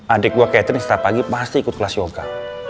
adik gue catherine setiap pagi pasti ikut kelas yoga